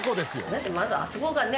だってまずあそこがね